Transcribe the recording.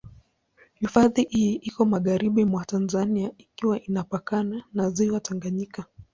Hifadhi hii iko magharibi mwa Tanzania ikiwa inapakana na Ziwa Tanganyika.